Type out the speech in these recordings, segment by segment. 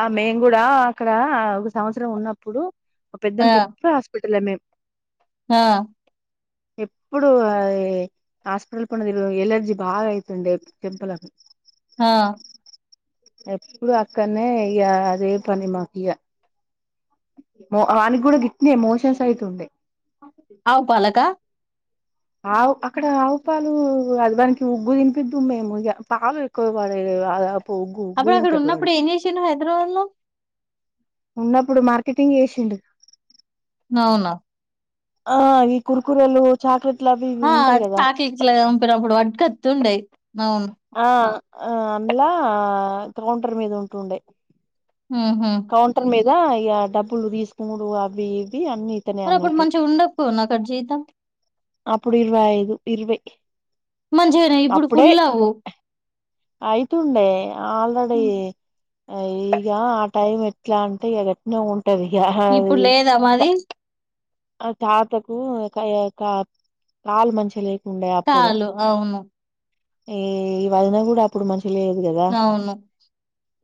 ఆ మేము కూడా అక్కడ ఒక సంవత్సరం ఉన్నప్పుడు మా ఆ పెద్దమ్మ కేప్పుడు హాస్పిటల్ ఏ మే ఆ ఎప్పుడు అది హాస్పిటల్ పన్నదిరు ఎలర్జీ బాగా అవుతుండే చెంపలకు హా ఎప్పుడు అక్కనేనే అయ అదే పని మాకయ్య మ ఆనికి కూడా గిట్నే మోషన్స్ అయితుండే అవు పాలకా ఆవు అక్కడ ఆవు పాలు అదివానికి ఉగ్గు తినిపిద్ం మేము పాలు ఎక్కువ పడే వాగా అప్పుడు అక్కడ ఉన్నప్పుడు ఏం చేసిండు హైదరాబాద్ లో ఉన్నప్పుడు మార్కెటింగ్ చేసిండు అవునా ఆ ఈ కుర్కురేలు చాక్ లే ఆ చాక్లెట్లు అప్పుడప్పుడు పడ్కత్తుండే అవును ఆ అండ్ల కౌంటర్ మీదుంటుండే మ్ హు ద ఇయన డబ్బులు తీసుకుడు అవి ఇ వ్వి అన్ని ఇతనే మరి అప్పుడు అన్నట్టు మంచిగా ఉండకపోవునా అక్కడ జీతం అప్పుడు ఇరవై ఐదు ఇరవై మంచిగానే ఇప్పుడు అప్పుడే ఫుల్ అవు అయితుండే ఆల్రెడీ హ్మ్. ఆ ఈగా ఆ టైం ఎట్లా ఇంగదట్లే ఒన్ ఇప్పుడు లేదా మాది ఆ తాతకు యొ క కాలు మంచిగ లే చాలు అవును ఈ ఈ వదిన కూడా అప్పుడు మంచ్ లేదు కదా అవును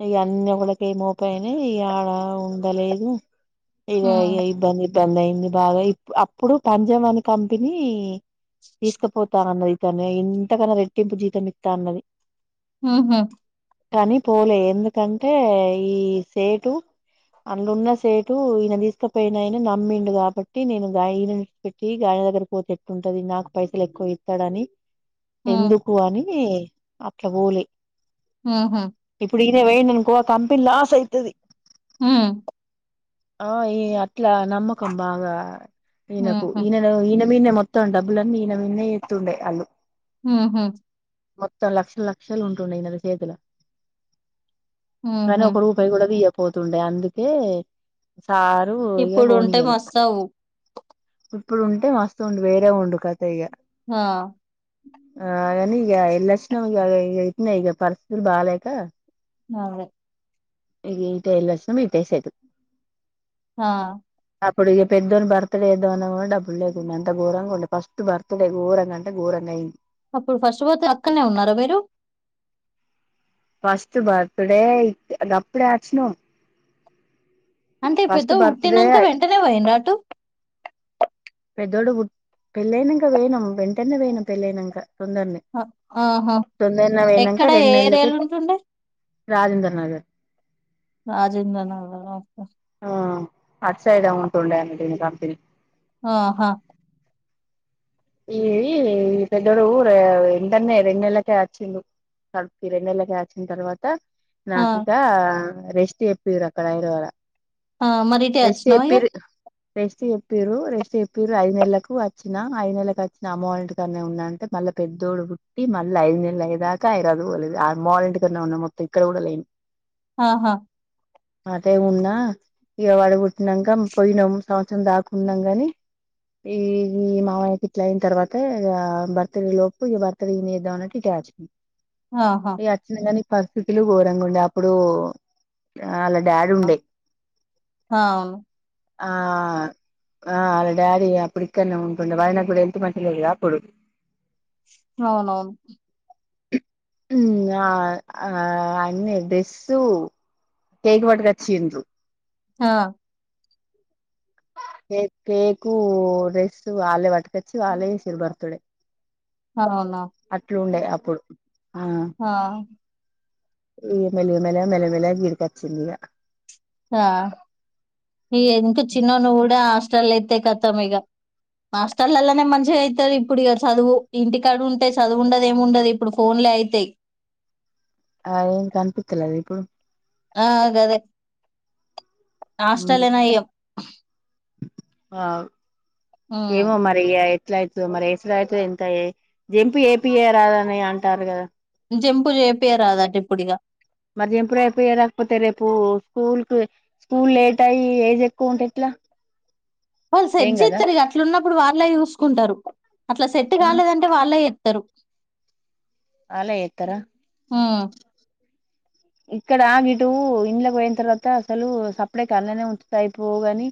ఇగ అన్నీ ఒకలకే ఏమోపైనై ఇగ ఆడ ఉండలేదు ఇగ ఇగ ఉమ్ ఇబ్బంది ఇబ్బంది అయింది బాగా ఇప్ అప్పుడు పంజాబ్ అని కంపెనీ తీసుకుపోతాన్నది ఇతన్ని ఇంతకన్నా రెట్ ట్టింపు జీతం ఇత్త అన్నది మ్ హు కానీ పోలే ఎందుకంటే ఈ సేటు అండ్లున్న సేటు ఈయన తీసుకపోయినాయన నమ్మిండు కాబట్టి నేను ఇగా ఈయనను ఏడ్చి పెట్టి గాయన దగ్గరికి పోతేట్టుంటది నాకు పైసలు ఎక్కువ ఇస్తాడని హు ఎందుకు అని అట్ల బోలే మ్ హు ఇయన పోయిండనుకో ఆ కంపెనీ లాస్ అయితది హు ఆ ఈ ట్ల నమ్మకం బాగా ఇయనకు ఉహు ఇయననో ఈయనక్ మీన్నె మొత్తం డబ్బులన్న ఈయన మీన్నే ఎత్తుండే ఆళ్ల్లు మ్ హు మొత్తం లక్షల లక్షలు ఉంటుందే ఈయన చేతుల కానీ ఉహు ఒక్క రూపాయి కూడ తియ్య పోతుండే అందుకే సారు ఇగ ఇప్పుడు ఉంటే బోనియ్యలే మస్త్ అవు ఇప్పుడు ఉంటే మస్త ఉండు వేరే ఉండు కత హా ఆ అనీ ఈగ ఎల్చన ఇన ఈగ పరిస్థితి బాలేక అవును ఇ ఇ ఎల్ వర్సిన ఇట్టసదు హా అప్పుడు ఇక పెద్దోని బర్త్డేదో అని కూడా డబ్బులు లేకుండా అంత ఘోరంగా ఉండే ఫస్ట్ బర్త్డే ఘోరంగా అంటే గోరంగా అయింది అప్పుడు ఫస్ట్ పోతే అక్కనే ఉన్నారా మీరు ఫస్ట్ బర్త్డే అది అప్పుడ్డే ఆచనో అంటే ఇప్పుడుతో పుట్టినాక వెంటనే పోయినర అటు పెద్దోడు పుట్ పెళ్ళయినాక వేనాం వెంటనే వేనాం పెళ్ళయినాక తొందరనే ఆహో తొందరనే పోయినాక ఎక్కడ రెండు ఏ నెలలకే ఏరియాలు ఉంటుండే రాజేంద్ర నగర్ రాజేంద్రనగరు ఆ ఓకే ఆ అటు సైడ్ యే ఉంటుండె ఉంటన్న కప ఆహా ఈ ఈ పెద్దొడు ఊరు ఎంటన్న రెం నెళ్లక ఆచింది తడుపు ఇ రెం నెలక ఆచిన తర్వాత ఆ! నాకుకా రేష్ చెప్పరు అక్కడ ఇవ ఆ మరి ఇటే వచినవా ఇగ రెస్ట్ చెప్పిరు రెస్ట్ చెప్పిరు ఐదు నెలలకు వచ్చినా ఐదు నెల వచ్చిన అమ్మ వాళ ఇంటికన్నా ఉన్నా అ మళ్ళీ పెద్దోడు పుట్టి మళ్ళీ ఐదులలు అయ్యేదాకా ఐయిదుగలేదు ఆ అమ్మళ్ళ ఇంటికన్నా ఉన్నా మొత్తం ఇక్కడ కూడా లేని ఆహా అదే ఉన్నా ఇక వాడగట్టినాక పోయినాము సంవత్సరం దాకున్నాం కాని ఈ ఈ మామయకి ఇట్ల అయిన తర్వాత ఇక బర్తడీ లోపు ఇక బర్తడీ నేద్దాం అట్టు ట్యాచ్ంది ఆహా! ఏ అచ్చ కానీ పరిస్థితులు ఘోరంగా ఉండే అప్పుడు ఆల డాడి ఉండే అవును. ఆ ఆ వాలా డాడి అప్పుడు ఇక్కడనే ఉంటుండె ఆయన మంటలేప్పుడు అవునవును ఉమ్ ఆ ఆ అన్నే డెస్సు కేక్ పట్టుకొచ్చిండ్రు హ కేక్ కేకు వల్లే వట్కచ్చి ఆలే ఇసిరు బర్తాడ అవునా! అట్లుండే ప్పుడు ఆ ఈ మెల మెల మెల్లగా గీడికొచ్చిందిగా ఆ ఈ ఇంకా చిన్నోడ్ని గుడ హాస్టల్ల ఎత్తే కతాం ఇగ, హాస్టలల్లనే మంచిగా అయితరు ఇప్పుడు ఇగ చదువు, ఇంటికాడ ఉంటె చదువు ఉండదు ఏమి ఉండది ఇప్పుడు ఫోన్లే అయితయ్. అ ఏం కనిపిత్తలేదా ఇప్పుడు ఆ గదే హ్మ్ హస్టలే నయం ఆ హ్మ్. ఏమో మరిగయి ఎట్లైతదొ మరి ఎసుడైతదొ ఎంత జంపు చేపియ్యరాదని అంటార్రూ గద. జంపు చేపియరాదట ఇప్పుడిగా మరి జంపుడు చేపియ్య రాకపోతే రేపు స్కూల్ కు, స్కూల్ లేట్ అయ్యి ఏజ్ ఎక్కువ ఉంటే ఎట్లా? వాళ్ళు సెట్ ఏం కదా చేత్తరు ఇగ అట్లున్నప్పుడు వాళ్ళ చూసుకుటరు, అట్లా సెట్ ఆ కాలేదంటే వాళ్ళే తరు అలే ఏత్తర ఆ ఇక్కడ గిటు ఇంలకి పోయిన తర్వాత అసలు సప్పడేక అన్లనే ఉంచుతే అయిపోవు గని.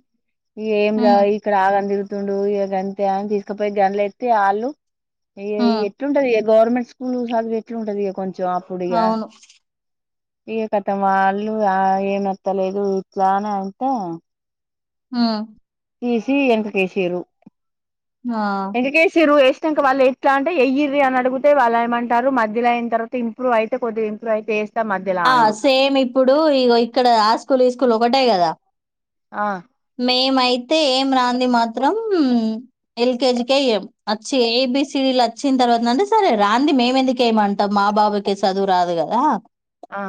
ఈ ఏం జ హ్మ్ ఇక్కడ ఆగం తిరు తుండు ఇగ గంతే అని తీసుకుపోయి గంలేత్తే ఆళ్ళు ఈ ఇగ హ్మ్ ఎట్లుంటదిగ గవర్నమెంట్ స్కూల్ చదువు ఎట్లుంటదిగ కొంచ్ చం అప్పుడిగ అవును ఇగ కతం వాళ్ళు ఆ ఏం అత్తలేదు ఎట్లా అని అంటె ఉమ్ ఈసి వెంకకేశీరు ఆ ఎందుకేసిర్రూ ఏ వాళ్ళు ఏస్తా అంటే ఎయ్యిర్రి అనడిగుతే వాళ్ళు ఏమంటారు మధ్య అయిన తర్వాత ఇంప్రూవ్ అయితే కొద్దిగ ఇంప్రూవ్ అయితేస్త ఆ సేమ్ ఇప్పుడు ఇగో ఇక్కడ ఆ స్కూల్ ఈ స్కూల్ ఒకటే కదా. ఆ మేమైతే ఏం రాంది మాత్రం ఎల్కేజీకే ఎయ్యం, అచ్చి ఏ బి సి డి లు అచ్చిన తర్వాత అంటే సరే రాంది మేము ఎందుకేయమంటాం, మా బాబుకే చదువు రాదు కదా. ఆ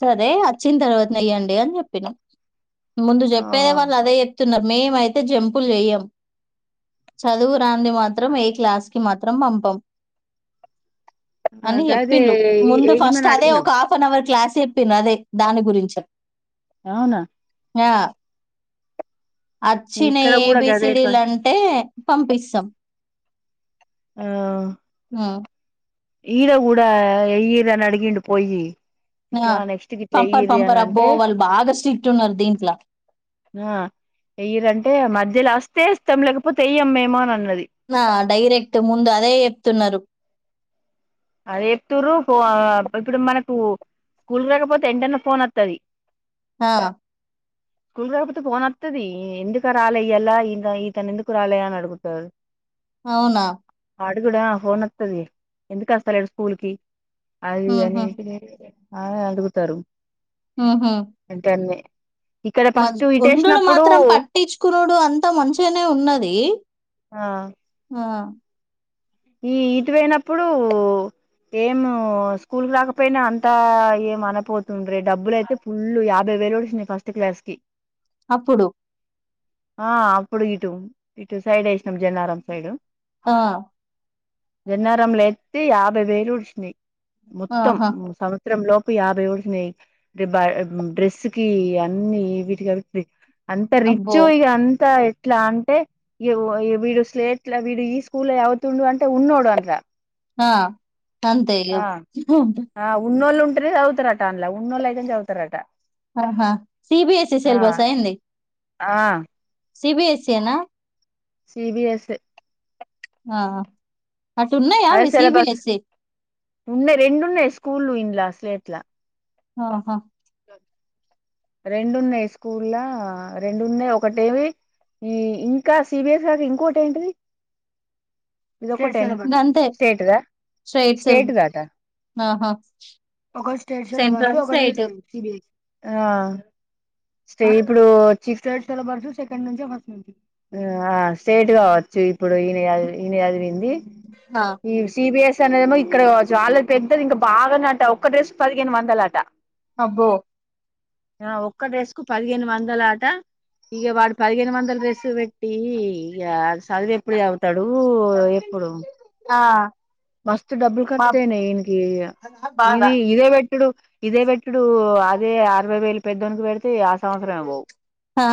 సరే అచ్చిన తర్వాతనేయ్యండి అని చెప్పినా, మో ప్పేదే వాళ్ళలదే తున్నరు మేమైతే జంపులు చేయ్యం, చదువురాంది మాత్రం ఏ క్లాస్ కి మాత్రం పంపం. ఆ అని గదే చెప్పిండు, ముందు ఫస్ట్ ఎయ్యమని అదే అడిగినం ఒక హాఫ్ అన్ అవర్ క్లాస్ చెప్పినదే దాని గురించ అవునా ఆ అచ్చినయి ఇక్కడ కూడా గదే ఏబిసిడీలు పని అంటే పంపిస్తం ఆ ఆ ఈడా కూడా ఈరని అడిగిండు పోయి ఆ, ఇట్లా నెక్స్ట్ క ఇట్లా పంపరు వెయ్యరు అని పంపరు అబ్బో అంటే వాళ్ళు బాగా స్ట్రిక్ట్ ఉన్నారు దీంట్లో ఆ వెయ్యరు అంటే మధ్యలో వస్తే ఇష్టం లేకపోతే ఇయమా అన్నది ఆ డైరెక్ట్ ముందు అదే చెప్తున్నారు అదేతూరు ఇప్పుడు మనకు స్కూల్ రాకపోతే ఎంటన్న ఫోన్ వతుది. ఆ, స్కూల్ రాకాపోడుతే ఫోన్ ఆతది ఈ ఎందుక రాలేయ్యలా ఇ ఈతను ఎందుకు రాలేయ అని అడుగుతాారు అవునా ఆడు కూడాడా ఫోన్ వస్తది ఎందుకుస్త పంలె స్కూల్ కి అది అనే ఉహు, అనే అడుగుతారు అంటే అన్ని ఇక్కడ మ ఫస్ట్ ఉండు ఇటేసినప్పుడు మాత్రం పట్టించుకున్నుడు అంతా మంచిగానే ఉన్నది ఆ ఆ ఈ ఇటు పోయినప్పుడు ఏమ్ స్కూల్ రాకపోయినా అంతా ఏం అనపోతుండ్రే డబ్బులు అయితే ఫుల్ యాభై వేలు ఓసినయి ఫస్ట్ క్లాస్ కి అప్పుడు ఆ అప్పుడు ఇటు ఇటు సైడ్ వేసినాం జనారం సైడు హా గన్నారం లేత్తి యాభై వేలు ఉడిసినాయి మొత్తం ఆహా సంవత్సర లో యాభై ఒడిసినయి బయి డ్రెస్ కి అన్ని వీటికిఅవిబట్ అంత రిచ్ అబ్బో ఈగ అంత ఇట్లా అంటే వీడు స్లేట్ల వీడు ఈ స్కూల్ లో చదువుతున్నుడు గాని ఉన్నూడు అంటా హా అంతే ఇగా రై చదువుతారట అన్లా అన్లా ఉన్నోళ్లు అయితే చదువుతారట ఆహా సిబిఎస్ఈ ఆ సిలబస్ ఏంది ఆ సిబిఎస్సిఈనా సిబిఎస్ ఆ అటు ఉన్నాయా అదే సిలబస్ సీబీఎస్సీ ఉన్నాయి రెండున్నాయి స్కూల్లు ఇంలా అ స్లేట్లా ఆహా రెండున్నాయి స్కూల్లా రెండున్నాయి ఒకటేవి ఈ ఇంకా సిబిఎస్ క ఇంకొటి ఏంటిది ఇ ఒక గంతే స్టేట్ దా స్ట్రైట్ సెల్ స్టేట్ దటా ఆహా ఒక స్టేట్ స లోవాసి సెంట్రల్ ఒక్కడిది స్ట్రైట్ సిబిఐ ఆ స్ట ఇప్పుడు [unintelligible] సెకండ్ నుంచ ఫస్ట్ నుంచా ఆ స్టేట్ కదా అచ్చి ఇప్పుడు ఈయన కాదు ఇదేంది ఆ మ్ సిబిఎస్ తనవేమో ఇక్కడ చాలా పెద్దవి ఇంకా బాగా నట్టు అవ ఒక డ్రెస్కు పదిహేను వందల అట అబ్బో ఒక్క డ్రెస్ కు పదిహేను వందల అట ఇక వాడు పదిహేను వందల డ్రెస్సు పెట్టి ఇక చదివ ఎప్పుడు చదువుతాడు అవు ఎప్పుడు ఆ మస్తు డబ్బులు మా ఖర్చయినాయి ఈయకి ఇగ బాధ. ఇవి ఇవే బెట్ డు ఇవే బెట్టటుడు అదే అరవై వేలు పెద్దోనికి పెట్ హా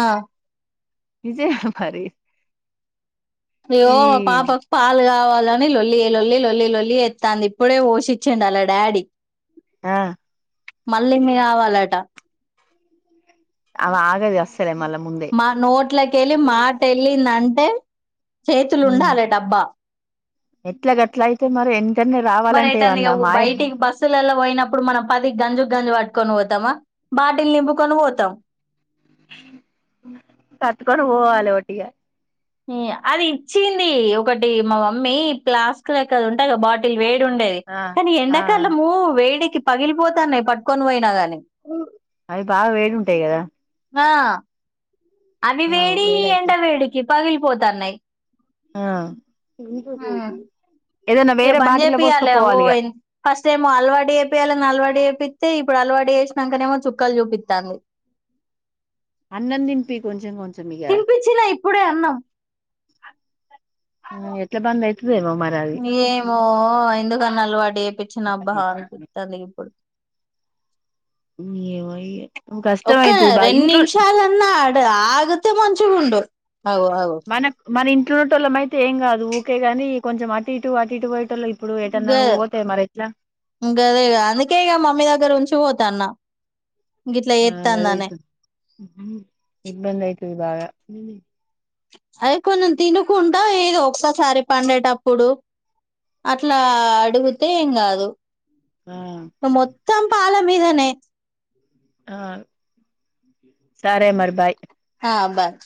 ఏమో మరి ఈ ఏమో పాపకు పాలు కావాలి ని లల్లి లొల్లి లొల్లి లొల్లి ఎత్తంది ఇప్పుడే పోషిచండు అలా డాడీ ఆ మళ్ళీ మీ కావాలట ఆమ ఆగజస్ మా నోట్లక వెళ్ళి మాట వెళ్ళింది అంటే మెన్ చేతులు ఉమ్ ఉండాలి డబ్బా ఎట్లా గట్లాయితే మరి ఎ మరి అయితాంది ఇగ బయటికి బస్సులలో పోయినప్పుడు మనం పది గంజు గంజు ప కోని పోతామా బాటిల్ నింపుకొని పోతాం తట్టుకొని పోవాలి ఒకటిగా మ్ అది ఇచ్చింది ఒకటి మా మమ్మీ ప్లాస్క్ లెక్క అది ఉంటాయి కదా బాటిల్ వేడి ఉండేది ఆ కానీ ఆ ఎండాకాలము వేడి పగిలిపోతాన్నాయి పట్టుకొని పోయినా కాని అవి బాగా వేడుంటాయి కదా ఆ అవి ఆ వేడి ఎండ వేడయితే వేడికి పగిలి పోతాన్నాయి ఆ మ్ ఏదైనా ఇక వేరే బంద్ బాటిల్లో చేపియాలి ఓ పోసుకోపోవాలి ఇక ఫస్ట్ టైమ్ అలవాటు చేపియాలి ఇంగ అలవాడి చేపిస్తే ఇప్పుడు అలవాటు చేసినాకనేమో చుక్కలు చూపిత్తాంది అన్నం తింపి కొంచెం కొంచం తినిపించిన ఇప్పుడే అన్నం ఎట్ల బంధైత ఏమో ఎందుకని అలవాటు చేపచ్చినబ్బా అది అనిపిసది ఇప్పుడు ఏమనే ఒక్క రెండు నిమిషాలన్నా ఆడు ఆగితే మంచిగాగుండు మనకు మన ఇం ఇట్టున్నట్టోళ్ళ అయితే ఏం కాదు ఉకే కానీ కొంచెం అటు ఇటు అటు ఇటు పోయేటోళ్ళు ఇప్పుడు గ ఎటన్నా పోతే మరి ఎట్లా గదేగా అందుకే ఇక మమ్మీ దగ్గర ఉంచి పోతా అన్న ఆ అ ఇబ్బందయితుది బాగా ఉ అది కొంచెం తినకుండా ఏదిో ఒక్కసారి పండేటప్పుడు అట్లా అడిగితే ఏం కాదు ఆ మొత్తం పాల మీదనే ఆ సరే మరి భాయ ఆబార్